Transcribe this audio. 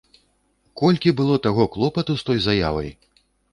Колькі было таго клопату з той заявай!